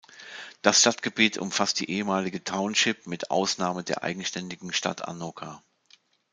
Das Stadtgebiet umfasst die ehemalige Township mit Ausnahme der eigenständigen Stadt Anoka.